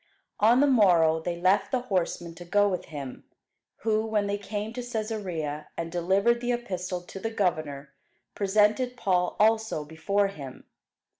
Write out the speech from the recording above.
On the morrow they left the horsemen to go with him, who, when they came to Cæsarea, and delivered the epistle to the governor, presented Paul also before him.